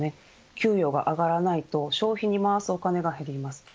給与が上がらないと消費に回すお金が減ります。